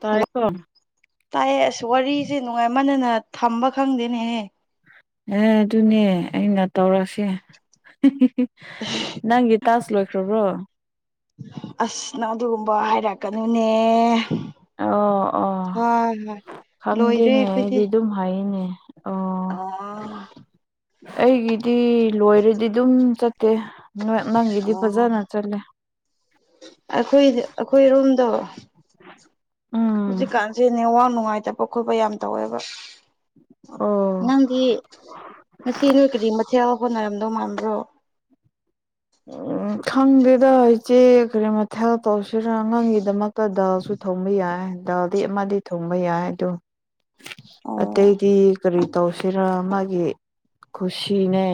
ꯇꯥꯏ ꯀꯣ ꯇꯥꯏꯑꯦ ꯑꯁ ꯋꯥꯔꯤꯁꯦ ꯅꯨꯡꯉꯥꯏꯃꯥꯟꯅꯅ ꯊꯝꯕ ꯈꯪꯗꯦꯅꯦꯍꯦ ꯑꯦ ꯑꯗꯨꯅꯦ ꯑꯩꯅ ꯇꯧꯔꯁꯦ ꯅꯪꯒꯤ ꯇꯥꯛꯁ ꯂꯣꯏꯈ꯭ꯔꯕ꯭ꯔꯣ ꯑꯁ ꯅꯪ ꯑꯗꯨꯒꯨꯝꯕ ꯍꯥꯏꯔꯛꯀꯅꯨꯅꯦ ꯑꯣ ꯑꯣ ꯍꯣꯏ ꯍꯣꯏ ꯂꯣꯏꯔꯦ ꯈꯪꯗꯦꯅꯦ ꯑꯩꯈꯣꯏꯗꯤ ꯑꯩꯗꯤ ꯑꯗꯨꯝ ꯍꯥꯏꯌꯦꯅꯦ ꯑꯥ ꯑꯩꯒꯤꯗꯤ ꯂꯣꯏꯔꯗꯤ ꯑꯗꯨꯝ ꯆꯠꯇꯦ ꯅꯪꯒꯤꯗꯤ ꯑꯣ ꯐꯖꯅ ꯆꯠꯂꯦ ꯑꯩꯈꯣꯏ ꯑꯩꯈꯣꯏ ꯔꫭꯝꯗꯣ ꯎꯝ ꯍꯧꯖꯤꯛꯀꯥꯟꯁꯦ ꯅꯦꯋꯥꯛ ꯅꯨꯡꯉꯥꯏꯇꯕ ꯈꯣꯠꯄ ꯌꯥꯝ ꯇꯧꯋꯦꯕ ꯑꯣ ꯅꯪꯗꯤ ꯉꯁꯤ ꯅꯣꯏ ꯀꯔꯤ ꯃꯊꯦꯜ ꯍꯣꯠꯅꯔꯝꯗꯧ ꯃꯥꯟꯕ꯭ꯔꯣ ꯎꯝ ꯈꯪꯗꯦꯗ ꯏꯆꯦ ꯀꯔꯤ ꯃꯊꯦꯜ ꯇꯧꯁꯤꯔꯥ ꯑꯉꯥꯡꯒꯤꯗꯃꯛ ꯗꯥꯜꯁꯨ ꯊꯣꯡꯕ ꯌꯥꯏ ꯗꯥꯜꯗꯤ ꯑꯃꯗꯤ ꯊꯣꯡꯕ ꯌꯥꯏ ꯑꯗꯣ ꯑꯣ ꯑꯇꯩꯗꯤ ꯀꯔꯤ ꯇꯧꯁꯤꯔꯥ ꯃꯥꯒꯤ ꯀꯨꯁꯤꯅꯦ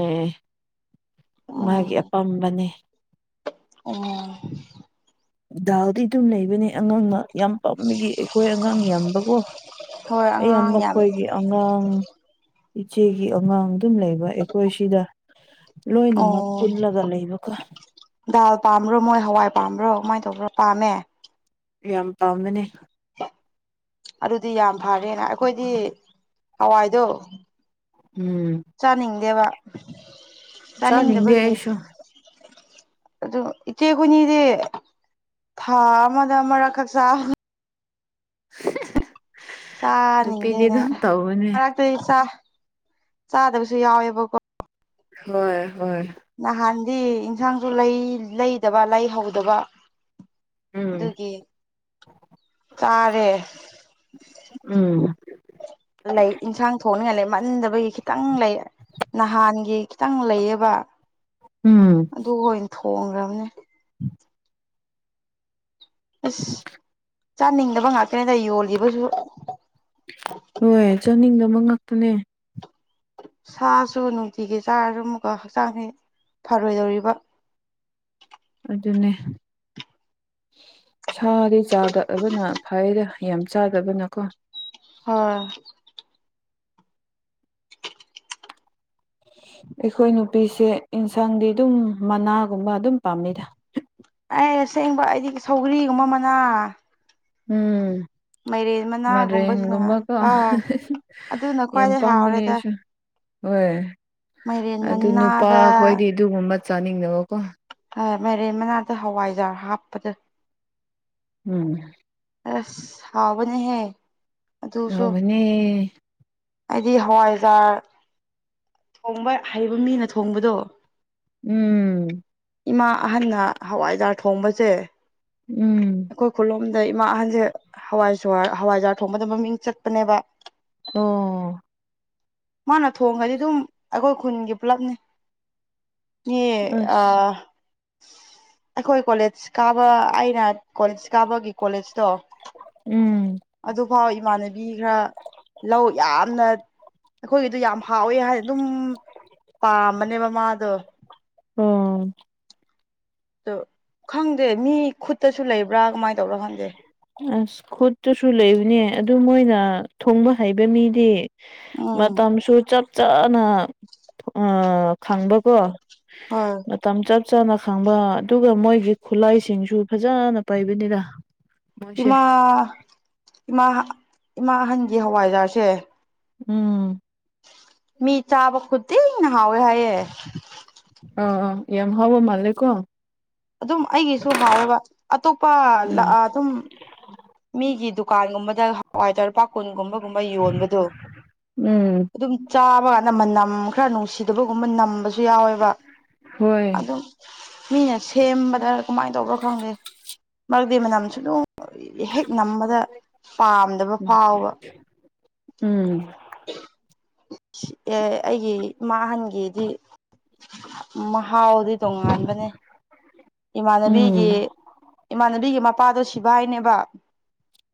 ꯃꯥꯒꯤ ꯎꯝ ꯑꯄꯥꯝꯕꯅꯦ ꯑꯣ ꯗꯥꯜꯗꯤ ꯑꯗꯨꯝ ꯂꯩꯕꯅꯦ ꯑꯉꯥꯡꯅ ꯌꯥꯝ ꯄꯥꯝꯕꯤꯒꯤ ꯑꯩꯈꯣꯏ ꯑꯉꯥꯡ ꯌꯥꯝꯕꯀꯣ ꯍꯣꯏ ꯑꯉꯥꯡ ꯑꯌꯥꯝꯕ ꯌꯥꯝ ꯈꯣꯏꯒꯤ ꯑꯉꯥꯡ ꯏꯆꯦꯒꯤ ꯑꯉꯥꯡ ꯑꯗꯨꯝ ꯂꯩꯕ ꯑꯩꯈꯣꯏ ꯁꯤꯗ ꯂꯣꯏꯅꯃꯛ ꯑꯣ ꯄꯨꯜꯂꯒ ꯂꯩꯕꯀꯣ ꯗꯥꯜ ꯄꯥꯝꯕ꯭ꯔꯣ ꯃꯣꯏ ꯍꯋꯥꯏ ꯄꯥꯝꯕ꯭ꯔꯣ ꯀꯃꯥꯏꯅ ꯇꯧꯕ꯭ꯔꯣ ꯄꯥꯝꯃꯦ ꯌꯥꯝ ꯄꯥꯝꯕꯅꯦ ꯑꯗꯨꯗꯤ ꯌꯥꯝ ꯐꯔꯦꯅ ꯑꯩꯈꯣꯏꯗꯤ ꯍꯋꯥꯏꯗꯣ ꯎꯝ ꯆꯥꯅꯤꯡꯗꯦꯕ ꯆꯥꯅꯤꯡꯗꯦ ꯆꯥꯅꯤꯡꯗꯕꯒꯤ ꯑꯩꯁꯨ ꯑꯗꯨ ꯏꯆꯦ ꯈꯣꯏꯅꯤꯗꯤ ꯊꯥ ꯑꯃꯗ ꯑꯃꯔꯛ ꯈꯛ ꯆꯥ ꯅꯨꯄꯤꯗꯤ ꯆꯥꯅꯤꯡꯗꯦꯅꯦ ꯑꯗꯨꯝ ꯇꯧꯕꯅꯦ ꯃꯔꯛꯇ ꯆꯥ ꯆꯥꯗꯕꯁꯨ ꯌꯥꯎꯋꯦꯕꯀꯣ ꯍꯣꯏ ꯍꯣꯏ ꯅꯍꯥꯟꯗꯤ ꯏꯟꯁꯥꯡꯁꯨ ꯂꯩꯗꯕ ꯂꯩꯍꯧꯗꯕ ꯎꯝ ꯑꯗꯨꯒꯤ ꯆꯥꯔꯦ ꯎꯝ ꯂꯩ ꯏꯟꯁꯥꯡ ꯊꯣꯡꯅꯤꯡꯉꯥꯏ ꯂꯩ ꯃꯟꯗꯕꯒꯤ ꯈꯤꯇꯪ ꯂꯩ ꯅꯍꯥꯟꯒꯤ ꯈꯤꯇꯪ ꯂꯩꯌꯦꯕ ꯎꯝ ꯑꯗꯨ ꯑꯣꯏꯅ ꯊꯣꯡꯈ꯭ꯔꯕꯅꯦ ꯑꯁ ꯆꯥꯅꯤꯡꯗꯕ ꯉꯥꯛꯇꯅꯦꯗ ꯌꯣꯜꯂꯤꯕꯁꯨ ꯍꯣꯏ ꯆꯥꯅꯤꯡꯗꯕ ꯉꯥꯛꯇꯅꯦ ꯁꯥꯁꯨ ꯅꯨꯡꯇꯤꯒꯤ ꯆꯥꯔꯁꯨ ꯑꯃꯨꯛꯒ ꯍꯛꯆꯥꯡꯁꯤ ꯐꯔꯣꯏꯗꯧꯔꯤꯕ ꯑꯗꯨꯅꯦ ꯁꯥꯗꯤ ꯆꯥꯗꯕꯅ ꯐꯩꯗ ꯌꯥꯝ ꯆꯥꯗꯕꯅꯀꯣ ꯍꯣꯏ ꯑꯩꯈꯣꯏ ꯅꯨꯄꯤꯁꯦ ꯑꯦꯟꯁꯥꯡꯗꯤ ꯑꯗꯨꯝ ꯃꯅꯥꯒꯨꯝꯕ ꯑꯗꯨꯝ ꯄꯥꯝꯃꯤꯗ ꯑꯩ ꯑꯁꯦꯡꯕ ꯑꯩꯗꯤ ꯁꯧꯒ꯭ꯔꯤꯒꯨꯝꯕ ꯃꯅꯥ ꯎꯝ ꯃꯥꯏꯔꯦꯟ ꯃꯥꯏꯔꯦꯟ ꯃꯅꯥꯒꯨꯝꯕꯁꯤꯅ ꯒꯨꯝꯕꯀꯣ ꯍꯣꯏ ꯑꯗꯨꯅ ꯌꯥꯝ ꯈ꯭ꯋꯥꯏꯗꯩ ꯄꯥꯝꯕꯅꯤ ꯍꯥꯎꯔꯦꯗ ꯑꯩꯁꯨ ꯍꯣꯏ ꯃꯥꯏꯔꯦꯟ ꯑꯗꯨ ꯅꯨꯄꯥ ꯃꯅꯥꯗ ꯈꯣꯏꯗꯤ ꯑꯗꯨꯒꯨꯝꯕ ꯆꯥꯅꯤꯡꯗꯕꯀꯣ ꯍꯣꯏ ꯃꯥꯏꯔꯦꯟ ꯃꯅꯥꯗ ꯍꯋꯥꯏꯖꯥꯔ ꯍꯥꯞꯄꯗ ꯎꯝ ꯑꯁ ꯍꯥꯎꯕꯅꯦꯍꯦ ꯑꯗꯨꯁꯨ ꯍꯥꯎꯕꯅꯦ ꯑꯩꯗꯤ ꯍꯋꯥꯏꯖꯥꯔ ꯊꯣꯡꯕ ꯍꯩꯕ ꯃꯤꯅ ꯊꯣꯡꯕꯗꯨ ꯎꯝ ꯏꯃꯥ ꯑꯍꯟꯅ ꯍꯋꯥꯏꯖꯥꯔ ꯊꯣꯡꯕꯁꯦ ꯎꯝ ꯑꯩꯈꯣꯏ ꯈꯨꯂꯣꯝꯗ ꯏꯃꯥ ꯑꯍꯟꯁꯦ ꯍꯋꯥꯏꯖꯍꯔ ꯍꯋꯥꯏꯖꯥꯔ ꯊꯣꯡꯕꯗ ꯃꯃꯤꯡ ꯆꯠꯄꯅꯦꯕ ꯑꯣ ꯃꯥꯅ ꯊꯣꯡꯉꯗꯤ ꯑꯗꯨꯝ ꯑꯩꯈꯣꯏ ꯈꯨꯟꯒꯤ ꯄꯨꯂꯞꯅꯤ ꯏ ꯑ ꯑꯁ ꯑꯩꯈꯣꯏ ꯀꯣꯂꯦꯖ ꯀꯥꯕ ꯑꯩ ꯅꯥ ꯀꯣꯂꯦꯖ ꯀꯥꯕꯒꯤ ꯀꯣꯂꯦꯖꯇꯣ ꯎꯝ ꯑꯗꯨ ꯑꯐꯥꯎ ꯏꯃꯥꯟꯅꯕꯤ ꯈꯔ ꯂꯧ ꯌꯥꯝꯅ ꯑꯩꯈꯣꯏꯒꯤꯗꯣ ꯌꯥꯝ ꯍꯥꯎꯋꯦ ꯍꯥꯏꯅ ꯑꯗꯨꯝ ꯄꯥꯝꯕꯅꯦꯕ ꯃꯥꯗꯣ ꯎꯝ ꯗ‌ꯣ ꯈꯪꯗꯦ ꯃꯤ ꯈꯨꯠꯇꯁꯨ ꯂꯩꯕ꯭ꯔꯥ ꯀꯃꯥꯏꯅ ꯇꯧꯕꯅꯣ ꯈꯪꯗꯦ ꯑꯁ ꯈꯨꯠꯇꯁꯨ ꯂꯩꯕꯅꯦ ꯑꯗꯨ ꯃꯣꯏꯅ ꯊꯣꯡꯕ ꯍꯩꯕ ꯃꯤꯗꯤ ꯎꯝ ꯃꯇꯝꯁꯨ ꯆꯞ ꯆꯥꯅ ꯑ ꯈꯪꯕꯀꯣ ꯑꯥ ꯃꯇꯝ ꯆꯞ ꯆꯥꯅ ꯈꯪꯕ ꯑꯗꯨꯒ ꯃꯣꯏꯒꯤ ꯈꯨꯠꯂꯥꯏꯁꯤꯡꯁꯨ ꯐꯖꯅ ꯄꯥꯏꯕꯅꯤꯗ ꯃꯣꯏꯁꯦ ꯏꯃꯥ ꯏꯃꯥ ꯏꯃꯥ ꯑꯍꯟꯒꯤ ꯍꯋꯥꯏꯖꯥ‍꯭ꯔꯁꯦ ꯎꯝ ꯃꯤ ꯆꯥꯕ ꯈꯨꯗꯤꯡꯅ ꯍꯥꯎꯋꯦ ꯍꯥꯏꯑꯦ ꯑ‌ꯣ ꯑ‌ꯣ ꯌꯥꯝ ꯍꯥꯎꯕ ꯃꯥꯜꯂꯦꯀꯣ ꯑꯗꯨꯝ ꯑꯩꯒꯤꯁꯨ ꯍꯥꯎꯋꯦꯕ ꯑꯇꯣꯞꯄ ꯎꯝ ꯂꯥꯛꯑ ꯑꯗꯨꯝ ꯃꯤꯒꯤ ꯗꯨꯀꯥꯟꯒꯨꯝꯕꯗ ꯍꯋꯥꯏꯖꯥ‍꯭ꯔ ꯄꯥꯛ ꯀꯨꯟꯒꯨꯝꯕꯒꯨꯝꯕ ꯌꯣꯟꯕꯗꯣ ꯎꯝ ꯑꯗꯨꯝ ꯆꯥꯕ ꯀꯥꯟꯗ ꯃꯅꯝ ꯈꯔ ꯅꯨꯡꯁꯤꯗꯕꯒꯨꯝꯕ ꯅꯝꯕꯁꯨ ꯌꯥꯎꯋꯦꯕ ꯍꯣꯏ ꯑꯗꯨꯝ ꯃꯤꯅ ꯁꯦꯝꯕꯗ ꯀꯃꯥꯏꯅ ꯇꯧꯕ꯭ꯔꯣ ꯈꯪꯗꯦ ꯃꯔꯛꯗꯤ ꯃꯅꯝꯁꯨ [unintelligible] ꯍꯦꯛ ꯅꯝꯕꯗ ꯄꯥꯝꯗꯕ ꯐꯥꯎꯕ ꯎꯝ ꯑꯦ ꯑꯩꯒꯤ ꯏꯃꯥ ꯑꯍꯟꯒꯤꯗꯤ ꯃꯍꯥꯎꯗꯤ ꯇꯣꯉꯥꯟꯕꯅꯦ [inaudible] ꯏꯃꯥꯟꯅꯕꯤꯒꯤ ꯎꯝ ꯏꯃꯥꯟꯅꯕꯤꯒꯤ ꯃꯄꯥꯗꯣ ꯁꯤꯐꯥꯏꯅꯦꯕ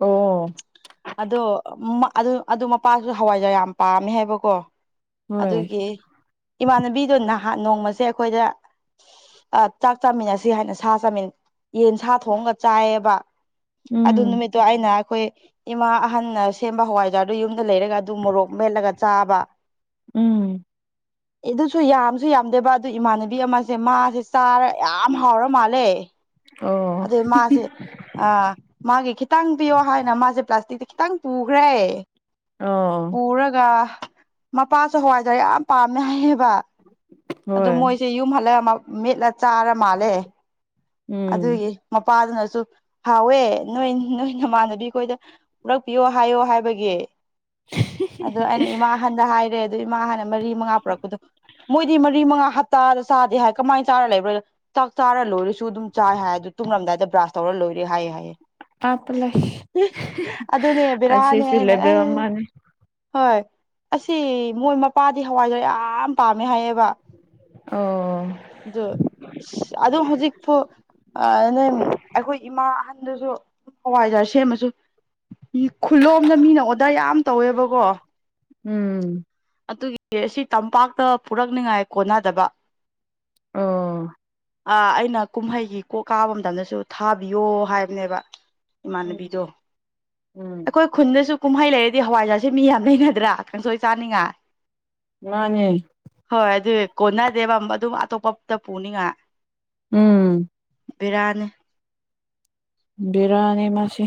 ꯑꯣ ꯑꯗꯣ ꯑꯗꯨ ꯃꯄꯥꯁꯨ ꯍꯋꯥꯏꯖꯥ꯭ꯔ ꯌꯥꯝ ꯄꯥꯝꯃꯦ ꯍꯥꯏꯕꯀꯣ ꯍꯣꯏ ꯑꯗꯨꯒꯤ ꯏꯃꯥꯟꯅꯕꯤꯗꯣ ꯅꯍꯥꯟ ꯅꯣꯡꯃꯁꯦ ꯑꯩꯈꯣꯏꯗ ꯆꯥꯛ ꯆꯥꯃꯤꯟꯅꯁ‌ꯦ ꯁꯤ ꯍꯥꯏꯅ ꯁꯥ ꯆꯥꯃꯤꯟ ꯌꯦꯟ ꯁꯥ ꯊꯣꯡꯉꯒ ꯆꯥꯏꯌꯦꯕ ꯑꯗꯨ ꯎꯝ ꯅꯨꯃꯤꯠꯇꯣ ꯑꯩꯅ ꯑꯩꯈꯣꯏ ꯏꯃꯥ ꯑꯍꯟꯅ ꯁꯦꯝꯕ ꯍꯋꯥꯏꯖꯥ꯭ꯔꯗꯨ ꯌꯨꯝꯗ ꯂꯩꯔꯒ ꯑꯗꯨ ꯃꯣꯔꯣꯛ ꯃꯦꯠꯂꯒ ꯆꯥꯕ ꯎꯝ ꯑꯦ ꯑꯗꯨꯁꯨ ꯌꯥꯝꯁꯨ ꯌꯥꯝꯗꯦꯕ ꯑꯗꯨ ꯏꯃꯥꯟꯅꯕꯤ ꯑꯃꯁꯦ ꯃꯥꯁꯦ ꯆꯥꯔ ꯌꯥꯝ ꯌꯥꯝ ꯍꯥꯎꯔ ꯃꯥꯜꯂꯦ ꯑꯣ ꯑꯗꯨ ꯃꯥꯁꯦ ꯑꯥ ꯃꯥꯒꯤ ꯈꯤꯇꯪ ꯄꯤꯌꯣ ꯍꯥꯏꯅ ꯃꯥꯁꯦ ꯄ꯭ꯂꯥꯁꯇꯤꯛꯇ ꯈꯤꯇꯪ ꯄꯨꯈ꯭ꯔꯦ ꯑꯣ ꯄꯨꯔꯒ ꯃꯄꯥꯁꯨ ꯍꯋꯥꯏꯖꯥ꯭ꯔ ꯌꯥꯝ ꯄꯥꯝꯃꯦ ꯍꯥꯏꯌꯦꯕ ꯑꯗꯨꯗ ꯍꯣꯏ ꯃꯣꯏꯁꯦ ꯌꯨꯝ ꯍꯜꯂꯒ ꯃꯦꯠꯂ ꯆꯥꯔ ꯃꯥꯜꯂꯦ ꯎꯝ ꯑꯗꯨꯒꯤ ꯃꯄꯥꯗꯨꯅꯁꯨ ꯍꯥꯎꯋꯦ ꯅꯣꯏ ꯅꯣꯏ ꯅꯃꯥꯟꯅꯕꯤꯈꯣꯏꯗ ꯄꯨꯂꯛꯄꯤꯌꯣ ꯍꯥꯏꯌꯣ ꯍꯥꯏꯕꯒꯤ ꯑꯗꯨ ꯑꯩꯅ ꯏꯃꯥ ꯑꯍꯟꯗ ꯍꯥꯏꯔꯦ ꯑꯗꯨ ꯏꯃꯥ ꯑꯍꯟꯅ ꯃꯔꯤ ꯃꯉꯥ ꯄꯨꯔꯛꯄꯗꯣ ꯃꯣꯏꯗꯤ ꯃꯔꯤ ꯃꯉꯥ ꯍꯞꯇꯥꯗ ꯆꯥꯗꯦ ꯍꯥꯏ ꯀꯃꯥꯏꯅ ꯆꯥꯔ ꯂꯩꯕ꯭ꯔꯣ ꯆꯥꯛ ꯆꯥꯔ ꯂꯣꯏꯔꯁꯨ ꯑꯗꯨꯝ ꯆꯥꯏ ꯍꯥꯏꯗꯨ ꯇꯨꯝꯔꯝꯗꯥꯏꯗ ꯕ꯭ꯔꯥꯁ ꯇꯧꯔ ꯂꯣꯏꯔꯦ ꯍꯥꯏꯑ‌ꯦ ꯍꯥꯏꯌꯦ ꯑꯗꯨꯅꯦ ꯕꯤꯔꯥꯅꯤ ꯑꯁꯤꯁꯨ ꯍꯥꯏꯅꯦ ꯂꯦꯕꯦꯜ ꯑꯦ ꯑꯃꯅꯤ ꯍꯣꯏ ꯑꯁꯤ ꯃꯣꯏ ꯃꯄꯥꯗꯤ ꯍꯋꯥꯏꯗ ꯌꯥꯝ ꯄꯥꯝꯃꯦ ꯍꯥꯏꯌꯦꯕ ꯑꯣ ꯗꯣ ꯑꯗꯨ ꯍꯧꯖꯤꯛ ꯐꯥꯎ ꯑꯗꯨ ꯅꯣꯏ ꯑꯩꯈꯣꯏ ꯏꯃꯥ ꯑꯍꯟꯗꯁꯨ ꯑꯗꯨ ꯍꯋꯥꯏꯖꯥꯔ ꯁꯦꯝꯃꯁꯨ ꯈꯨꯂꯣꯝꯗ ꯃꯤꯅ ꯑꯣꯗꯔ ꯌꯥꯝ ꯇꯧꯋꯦꯕꯀꯣ ꯎꯝ ꯑꯗꯨꯒꯤ ꯑꯁꯤ ꯇꯝꯄꯥꯛꯇ ꯄꯨꯔꯛꯅꯤꯉꯥꯏ ꯀꯣꯟꯅꯗꯕ ꯑꯣ ꯑ ꯑꯩꯅ ꯀꯨꯝꯍꯩꯒꯤ ꯀꯣꯛ ꯀꯥꯕ ꯃꯇꯝꯗꯁꯨ ꯊꯥꯕꯤꯌꯣ ꯍꯥꯏꯕꯅꯦꯕ ꯎꯝ ꯏꯃꯥꯟꯅꯕꯤꯗꯣ ꯎꯝ ꯑꯩꯈꯣꯏ ꯈꯨꯟꯗꯁꯨ ꯀꯨꯝꯍꯩ ꯂꯩꯔꯗꯤ ꯍꯋꯥꯏꯖꯥꯔꯥꯁꯦ ꯃꯤ ꯌꯥꯝ ꯂꯩꯅꯗ꯭ꯔꯥ ꯀꯥꯡꯁꯣꯏ ꯆꯥꯅꯤꯡꯉꯥꯏ ꯃꯥꯅꯦ ꯍꯣꯏ ꯑꯗꯨꯏ ꯀꯣꯟꯅꯗꯦꯕ ꯑꯗꯨꯝ ꯑꯇꯣꯞꯄꯇ ꯄꯨꯅꯤꯉꯥꯏ ꯎꯝ ꯕꯦꯔꯥꯅꯦ ꯕꯤꯔꯥꯅꯤ ꯃꯁꯤ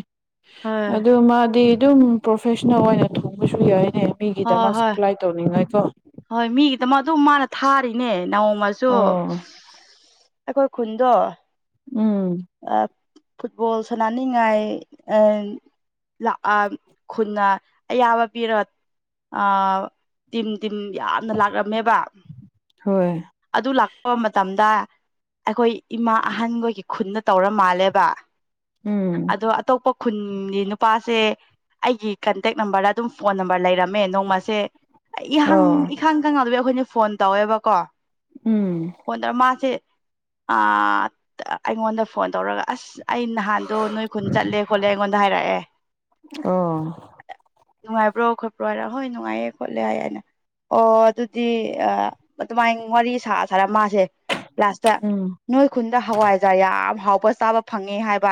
ꯍꯣꯏ ꯑꯗꯨ ꯃꯥꯗꯤ ꯑꯗꯨꯝ ꯄ꯭ꯔꯣꯐꯦꯁꯅꯦꯜ ꯑꯣꯏꯅ ꯊꯣꯡꯕꯁꯨ ꯌꯥꯏꯅꯦ ꯍꯣꯏ ꯃꯤꯒꯤꯗꯃꯛ ꯍꯣꯏ ꯁꯄ꯭ꯂꯥꯏ ꯇꯧꯅꯤꯡꯉꯥꯏꯀꯣ ꯍꯣꯏ ꯃꯤꯒꯤꯗꯃꯛ ꯑꯗꯨꯝ ꯃꯥꯅ ꯊꯥꯔꯤꯅꯦ ꯅꯣꯡꯃꯁꯨ ꯑꯣ ꯑꯩꯈꯣꯏ ꯈꯨꯟꯗꯣ ꯎꯝ ꯐꯨꯠꯕꯣꯜ ꯁꯅꯥꯅꯤꯡꯉꯥꯏ ꯑꯥ ꯂꯥꯛꯑ ꯈꯨꯟꯅ ꯑꯌꯥꯕ ꯄꯤꯔ ꯑꯥ ꯇꯤꯝ ꯇꯤꯝ ꯌꯥꯝꯅ ꯂꯥꯛꯔꯝꯃꯦꯕ ꯍꯣꯏ ꯑꯗꯨ ꯂꯥꯛꯄ ꯃꯇꯝꯗ ꯑꯩꯈꯣꯏ ꯏꯃꯥ ꯑꯍꯟꯈꯣꯏꯒꯤ ꯈꯨꯟꯗ ꯇꯧꯔ ꯃꯥꯜꯂꯦꯕ ꯎꯝ ꯑꯗꯣ ꯑꯇꯣꯞꯄ ꯈꯨꯟꯒꯤ ꯅꯨꯄꯥꯁꯦ ꯑꯩꯒꯤ ꯀꯟꯇꯦꯛ ꯅꯝꯕꯔꯗ ꯑꯗꯨꯝ ꯐꯣꯟ ꯅꯝꯕꯔ ꯂꯩꯔꯝꯃꯦ ꯅꯣꯡꯃꯁꯦ ꯏꯍꯪ ꯑꯣ ꯏꯈꯪ ꯈꯪꯍꯧꯗꯕꯤ ꯑꯩꯈꯣꯏꯅ ꯐꯣꯟ ꯇꯧꯋꯦꯕꯀꯣ ꯎꯝ ꯍꯣꯟꯗ ꯃꯥꯁꯦ ꯑꯥ ꯑꯩꯉꯣꯟꯗ ꯐꯣꯟ ꯇꯧꯔꯒ ꯑꯁ ꯑꯩ ꯅꯍꯥꯟꯗꯣ ꯅꯣꯏ ꯈꯨꯟ ꯆꯠꯂꯦ ꯈꯣꯠꯂꯦ ꯑꯩꯉꯣꯟꯗ ꯍꯥꯏꯔꯛꯑꯦ ꯑꯣ ꯅꯨꯡꯉꯥꯏꯕ꯭ꯔꯣ ꯈꯣꯠꯄ꯭ꯔꯣ ꯍꯥꯏꯔ ꯍꯣꯏ ꯅꯨꯡꯉꯥꯏꯌꯦ ꯈꯣꯠꯂꯦ ꯍꯥꯏ ꯑꯣ ꯑꯗꯨꯗꯤ ꯑꯗꯨꯃꯥꯏꯅ ꯋꯥꯔꯤ ꯁꯥ ꯁꯥꯔꯥ ꯃꯥ ꯁꯦ ꯂꯥꯁꯇ ꯎꯝ ꯅꯣꯏ ꯈꯨꯟꯗ ꯍꯋꯥꯏꯖꯥꯔ ꯌꯥꯝ ꯍꯥꯎꯕ ꯆꯥꯕ ꯐꯪꯉꯦ ꯍꯥꯏꯕ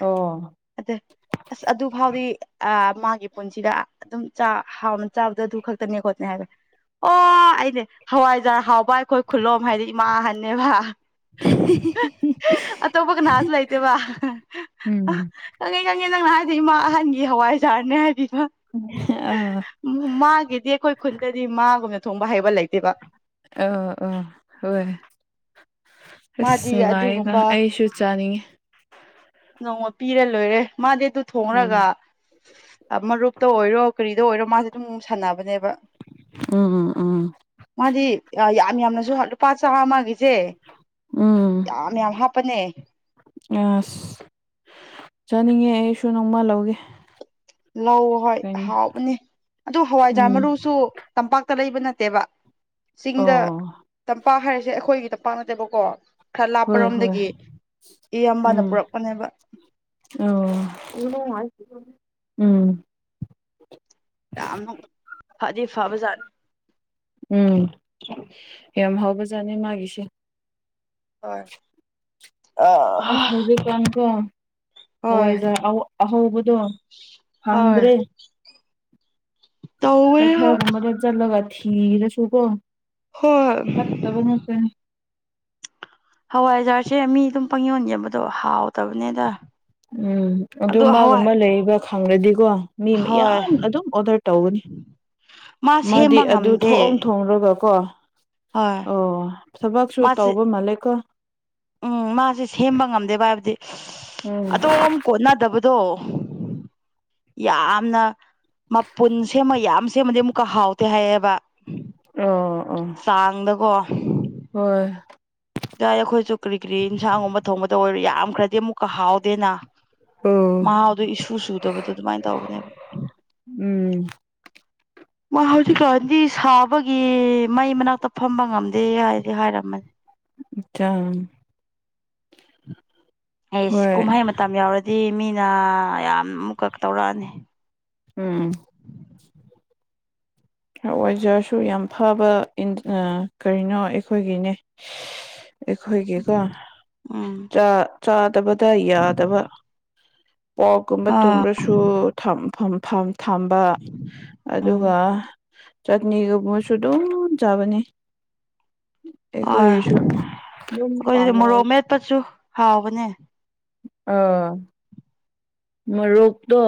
ꯑꯣ ꯑꯗ ꯑꯁ ꯑꯗꯨ ꯐꯥꯎꯗꯤ ꯑꯥ ꯃꯥꯒꯤ ꯄꯨꯟꯁꯤꯗ ꯑꯗꯨꯝ ꯍꯥꯎꯅ ꯆꯥꯕꯗ ꯑꯗꯨ ꯈꯛ ꯇꯥꯅꯤ ꯈꯣꯠꯅꯦ ꯍꯥꯏꯔꯦ ꯑꯣ ꯑꯩꯅꯦ ꯍꯋꯥꯏꯖꯥꯔ ꯍꯥꯎꯕ ꯑꯩꯈꯣꯏ ꯈꯨꯂꯣꯝ ꯍꯥꯏꯗꯤ ꯏꯃꯥꯍꯟꯅꯦꯕ ꯑꯇꯣꯞꯄ ꯀꯅꯥꯁꯨ ꯂꯩꯇꯦꯕ ꯎꯝ ꯈꯪꯉꯦ ꯈꯪꯉꯦ ꯅꯪꯅ ꯍꯥꯏꯔꯗꯤ ꯏꯃꯥ ꯑꯍꯟꯒꯤ ꯍꯋꯥꯏꯖꯥꯔꯅꯦ ꯍꯥꯏꯗꯤꯕ ꯑꯥ ꯎꯝ ꯃꯥꯒꯤꯗꯤ ꯑꯩꯈꯣꯏ ꯈꯨꯟꯗꯗꯤ ꯃꯥꯒꯨꯝꯅ ꯊꯣꯡꯕ ꯍꯩꯕ ꯂꯩꯇꯦꯕ ꯑꯣ ꯑꯣ ꯍꯣꯏ ꯑꯁ ꯃꯥꯗꯤ ꯅꯨꯡꯉꯥꯏꯒ ꯑꯗꯨꯒꯨꯝꯕ ꯑꯩꯁꯨ ꯆꯥꯅꯤꯡꯉꯦ ꯅꯣꯡꯃ ꯄꯤꯔ ꯂꯣꯏꯔꯦ ꯃꯥꯗꯤ ꯑꯗꯨꯨ ꯊꯣꯡꯔꯒ ꯎꯝ ꯃꯔꯨꯞꯇ ꯑꯣꯏꯔꯣ ꯀꯔꯤꯗ ꯑꯣꯏꯔꯣ ꯃꯥꯁꯦ ꯑꯗꯨꯝ ꯁꯥꯟꯅꯕꯅꯦꯕ ꯎꯝ ꯎꯝ ꯃꯥꯗꯤ ꯌꯥꯝ ꯌꯥꯝꯅꯖꯨ ꯂꯨꯄꯥ ꯆꯥꯝꯃꯒꯤꯁꯦ ꯎꯝ ꯃꯌꯥꯝ ꯍꯥꯄꯅꯦ ꯑꯁ ꯆꯥꯅꯤꯡꯉꯦ ꯑꯩꯁꯨ ꯅꯣꯡꯃ ꯂꯧꯒꯦ ꯂꯧ ꯍꯣꯏ ꯀꯩꯅꯣ ꯍꯥꯎꯕꯅꯦ ꯑꯗꯨ ꯍꯋꯥꯏꯖꯥꯔ ꯎꯝ ꯃꯔꯨꯁꯨ ꯇꯝꯄꯥꯛꯇ ꯂꯩꯕ ꯅꯠꯇꯦꯕ ꯆꯤꯡꯗ ꯑꯣ ꯇꯝꯄꯥꯛ ꯍꯥꯏꯔꯤꯁꯦ ꯑꯩꯈꯣꯏꯒꯤ ꯇꯝꯄꯥꯛ ꯅꯠꯇꯦꯕꯀꯣ ꯈꯔ ꯍꯣꯏ ꯍꯣꯏ ꯂꯥꯞꯄꯔꯣꯝꯗꯒꯤ ꯏꯌꯥꯝꯕꯥꯅ ꯎꯝ ꯄꯨꯔꯛꯄꯅꯦꯕ ꯑꯣ ꯎꯝ ꯌꯥꯝꯅꯨꯡ ꯐꯗꯤ ꯐꯕ ꯖꯥꯠꯅꯤ ꯎꯝ ꯌꯥꯝ ꯍꯥꯎꯕꯖꯥꯠꯅꯤ ꯃꯥꯒꯤꯁꯦ ꯍꯣꯏ ꯑ ꯑꯁ ꯍꯧꯖꯤꯛꯀꯥꯟꯀꯣ ꯍꯣꯏ ꯍꯋꯥꯏꯖꯥꯔꯥ ꯑꯍꯧꯕꯗꯣ ꯍꯣꯏ ꯐꯗ꯭ꯔꯦ ꯇꯧꯕꯅꯦ ꯀꯊ ꯍꯣꯏ ꯃ ꯆꯂ ꯉ ꯀꯤꯔꯁꯨꯀꯣ ꯍꯣꯏ ꯐꯠꯇꯕ ꯉꯇꯅꯤ ꯍꯋꯥꯏꯖꯥꯔꯁꯦ ꯃꯤ ꯑꯗꯨꯝ ꯄꯪ ꯌꯣꯟ ꯌꯦꯕꯗꯣ ꯍꯥꯎꯇꯕꯅꯦꯗ ꯎꯝ ꯑꯗꯨ ꯑꯗꯣ ꯍꯋꯥꯏ ꯃꯥꯒꯨꯝꯕ ꯂꯩꯕꯥ ꯈꯪꯪꯂꯗꯤꯀꯣ ꯍꯣꯏ ꯃꯤꯌꯥꯝ ꯑꯗꯨꯝ ꯑꯣꯗꯔ ꯇꯧꯒꯅꯤ ꯃꯥ ꯃꯥꯗꯤ ꯁꯦꯝꯕ ꯑꯗꯨ ꯉꯝꯗꯦ ꯊꯣꯛꯑꯝ ꯊꯣꯂꯒ ꯀꯣ ꯍꯣꯏ ꯑꯣ ꯊꯕꯛꯁꯨ ꯃꯥꯁꯦ ꯇꯧꯕ ꯃꯥꯜꯂꯦꯀꯣ ꯎꯝ ꯃꯥꯁꯦ ꯁꯦꯝꯕ ꯉꯝꯗꯦꯕ ꯍꯥꯏꯕꯗꯤ ꯎꯝ ꯑꯗꯣꯝ ꯀꯣꯟꯅꯗꯕꯗꯣ ꯌꯥꯝꯅ ꯃꯄꯨꯟ ꯁꯦꯝꯃ ꯌꯥꯝ ꯁꯦꯝꯃꯗꯤ ꯑꯃꯨꯛꯀ ꯍꯥꯎꯇꯦ ꯍꯥꯏꯌꯦꯕ ꯑꯣ ꯑꯣ ꯆꯥꯡꯗꯀꯣ ꯍꯣꯏ ꯏ ꯑꯩꯈꯣꯏꯁꯨ ꯀꯔꯤ ꯀꯔꯤ ꯏꯟꯁꯥꯡꯒꯨꯝꯕ ꯊꯣꯡꯕꯗ ꯑꯣꯏꯔꯣ ꯌꯥꯝꯈ꯭ꯔꯗꯤ ꯑꯃꯨꯛꯀ ꯍꯥꯎꯗꯦꯅ ꯎꯝ ꯃꯍꯥꯎꯗꯣ ꯏꯁꯨ ꯁꯨꯗꯕꯗꯣ ꯑꯗꯨꯃꯥꯏꯅ ꯇꯧꯕꯅꯦꯕ ꯎꯝ ꯃꯥ ꯍꯧꯖꯤꯛꯀꯗꯤ ꯁꯥꯕꯒꯤ ꯃꯩ ꯃꯅꯥꯛꯇ ꯐꯝꯕ ꯉꯝꯗꯦ ꯍꯥꯏꯗꯤ ꯍꯥꯏꯔꯝꯃꯅꯤ ꯑꯆꯥ [unintelligible] [inaudible] ꯑꯩꯁ ꯀꯨꯝꯍꯩ ꯃꯇꯝ ꯌꯥꯎꯔꯗꯤ ꯃꯤꯅ ꯌꯥꯝ ꯑꯃꯨꯛꯀ ꯇꯧꯔꯛꯑꯅꯤ ꯎꯝ ꯑꯣꯏꯖꯔꯁꯨ ꯌꯥꯝ ꯐꯕ ꯀꯔꯤꯅꯣ ꯑꯩꯈꯣꯏꯒꯤꯅꯦ ꯑꯩꯈꯣꯏꯒꯤꯀꯣ ꯎꯝ ꯆꯥ ꯆꯥꯗꯕꯗ ꯌꯥꯗꯕ ꯄꯣꯛꯀꯨꯝꯕ ꯑꯥ ꯇꯨꯝꯈ꯭ꯔꯁꯨ ꯊꯝꯐꯝꯕꯝ ꯊꯝꯕ ꯎꯝ ꯑꯗꯨꯒ ꯆꯠꯅꯤꯒꯕꯨꯁꯨꯨꯗꯣꯡ ꯌꯥꯕꯅꯤ ꯍꯣꯏ ꯑꯩꯈꯣꯏꯒꯨꯁꯨ ꯑꯩꯈꯣꯏꯗꯤ ꯗꯨꯝ ꯄꯝꯃ‌ꯦ ꯃꯣꯔꯣꯛ ꯃꯦꯠꯄꯁꯨ ꯍꯥꯎꯕꯅꯦ ꯑꯑꯥ ꯃꯣꯔꯣꯛꯇꯣ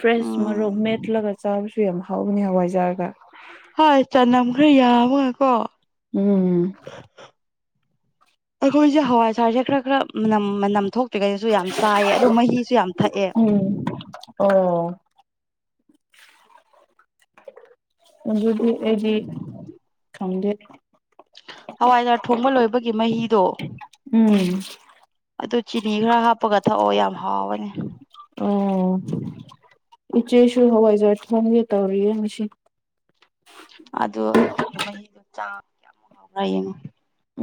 ꯐ꯭ꯔꯦꯁ ꯎꯝ ꯃꯣꯔ‌ꯣꯛ ꯃꯦꯠꯂꯒ ꯆꯥꯕꯁꯨ ꯌꯥꯝ ꯍꯥꯎꯕꯅꯤ ꯍꯋꯥꯏꯖꯥꯔꯒ ꯍꯣꯏ ꯆꯅꯝꯈ꯭ꯔ ꯌꯥꯝꯃꯒ ꯀꯣ ꯎꯝ ꯑꯩꯈꯣꯏꯁꯦ ꯍꯋꯥꯏꯁꯥꯔꯁꯦ ꯈꯔ ꯈꯔ ꯃꯅꯝ ꯃꯅꯝ ꯊꯣꯛ ꯀꯩꯀꯩꯁꯨ ꯌꯥꯝ ꯆꯥꯏꯑ ꯑꯗꯣ ꯃꯍꯤꯁꯨ ꯌꯥꯝ ꯊꯛꯑꯦ ꯑꯣꯗꯤ [unintelligible] ꯑꯩꯗꯤ ꯈꯪꯗꯦ ꯍꯋꯥꯏꯖꯥꯔ ꯊꯣꯡꯕ ꯂꯣꯏꯕꯒꯤ ꯃꯍꯤꯗꯣ ꯎꯝ ꯑꯗꯨ ꯆꯤꯅꯤ ꯈꯔ ꯍꯥꯞꯄꯒ ꯊꯛꯑꯣ ꯌꯥꯝ ꯍꯥꯎꯕꯅꯦ ꯑꯣ ꯏꯆꯦꯁꯨ ꯍꯋꯥꯏꯖ ꯐ ꯌꯦꯇꯥꯧꯔꯔꯤ ꯌꯦ ꯃꯁꯤꯁꯤ ꯑꯗꯨ ꯑꯗꯨꯒꯤ ꯃꯍꯤꯗꯣ ꯆꯥ ꯀꯌꯥꯃꯨꯛ ꯍꯥꯎꯕ꯭ꯔꯥ ꯌꯦꯡꯉꯣ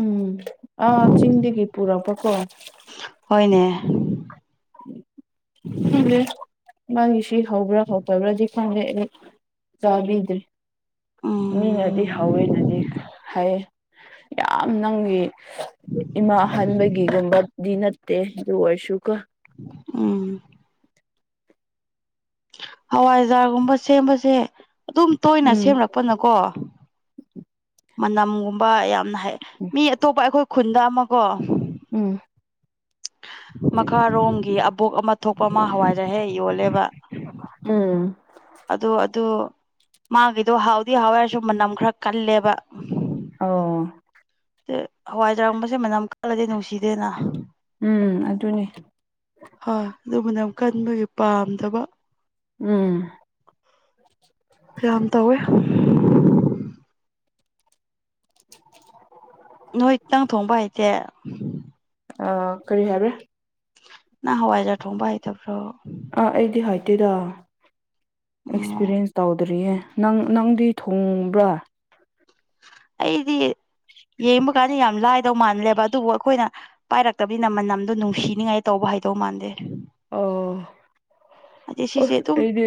ꯎꯝ ꯑꯥ ꯆꯤꯡꯗꯒꯤ ꯄꯨꯔꯛꯄꯀꯣ ꯍꯣꯏꯅꯦ ꯎꯦ ꯃꯥꯒꯤ ꯁꯤ ꯍꯧꯕ꯭ꯔꯥ ꯍꯧꯗꯕ꯭ꯔꯥꯗꯤ ꯍꯦ ꯆꯕꯗ꯭ꯔꯤ ꯃꯤꯅꯗꯤ ꯎꯝ ꯍꯧꯋꯦꯅꯗꯤ ꯍꯥꯏꯩ ꯌꯥꯝ ꯅꯪꯒꯤ ꯏꯃꯥ ꯑ ꯍꯟꯥꯟꯕꯒꯤꯒꯨꯝꯕꯗꯤ ꯅꯠꯇꯦ ꯑꯗꯨ ꯑꯣꯏꯔꯁꯨꯀ ꯎꯝ ꯍꯋꯥꯏꯖꯥꯔꯒꯨꯝꯕ ꯁꯦꯝꯕꯁꯦ ꯑꯗꯨꯝ ꯇꯣꯏꯅ ꯎꯝ ꯁꯦꯝꯂꯛꯄꯅꯀꯣ ꯃꯅꯝꯒꯨꯝꯕ ꯌꯥꯝꯅ ꯍꯩ ꯃꯤ ꯑꯇꯣꯞꯄ ꯑꯩꯈꯣꯏ ꯈꯨꯟꯗ ꯑꯃꯀꯣ ꯎꯝ ꯃꯈꯥꯔꯣꯝꯒꯤ ꯑꯕꯣꯛ ꯑꯃ ꯊꯣꯛꯄ ꯑꯃ ꯍꯋꯥꯏꯔꯍꯦ ꯌꯣꯜꯂꯦꯕ ꯎꯝ ꯑꯗꯨ ꯑꯗꯨ ꯃꯥꯒꯤꯗꯣ ꯍꯥꯎꯗꯤ ꯍꯥꯎꯋꯦ ꯑ‌‌ꯣꯏꯔꯁꯨ ꯃꯅꯝ ꯈꯔ ꯀꯜꯂꯦꯕ ꯑꯣ ꯍꯋꯥꯏꯖꯔꯥꯒꯨꯝꯕꯁꯦ ꯃꯅꯝ ꯀꯜꯂꯗꯤ ꯅꯨꯡꯁꯤꯗꯦꯅ ꯎꯝ ꯑꯗꯨꯅꯤ ꯍꯥ ꯑꯗꯨꯕꯨꯅꯝ ꯀꯟꯕꯒꯤ ꯄꯥꯝꯗ꯭ꯔꯕ ꯎꯝ ꯌꯥꯝ ꯇꯧꯋꯦ ꯅꯣꯏ ꯇꯪ ꯊꯣꯡꯕ ꯍꯥꯏꯇꯦ ꯑ ꯀꯔꯤ ꯍꯥꯏꯕ꯭ꯔꯥ ꯅꯥ ꯍꯋꯥꯏꯖꯥꯔ ꯊꯣꯡꯕ ꯑꯩꯇꯕ꯭ꯔꯣ ꯑꯩꯗꯤ ꯍꯥꯏꯇꯦꯗ ꯑꯣ ꯑꯦꯛꯁꯄꯤꯔꯤꯌꯦꯟꯁ ꯇꯧꯗ꯭ꯔꯤꯌꯦ ꯅꯪ ꯅꯪꯗꯤ ꯊꯣꯡꯕ꯭ꯔꯥ ꯑꯩꯗꯤ ꯌꯦꯡꯕ ꯀꯥꯟꯗ ꯌꯥꯝ ꯂꯥꯏꯗꯧ ꯃꯥꯜꯂꯦꯕ ꯑꯗꯨꯕꯨ ꯑꯩꯈꯣꯏꯅ ꯄꯥꯏꯔꯛꯇꯕꯅꯤꯅ ꯃꯅꯝꯗꯣ ꯅꯨꯡꯁꯤꯅꯤꯉꯥꯏ ꯇꯧꯕ ꯍꯩꯗꯧ ꯃꯥꯟꯗꯦ ꯑꯣ ꯑꯗꯩ ꯁꯤꯁꯦ ꯑ‌ꯣꯍ ꯑꯗꯨꯝ ꯑꯩꯗꯤ